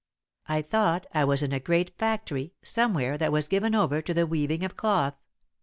I thought I was in a great factory, somewhere, that was given over to the weaving of cloth.